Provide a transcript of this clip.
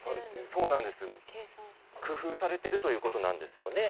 工夫されているということなんですよね。